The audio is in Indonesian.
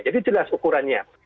jadi jelas ukurannya